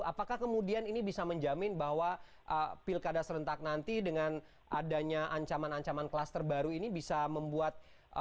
apakah kemudian ini bisa menjamin bahwa pilkada serentak nanti dengan adanya ancaman ancaman klaster baru ini bisa membuat